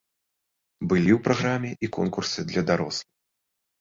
Былі ў праграме і конкурсы для дарослых.